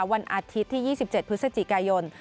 วันอาทิตย์ที่๒๗พฤศจิกายน